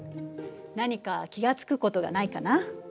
何か気が付くことがないかな？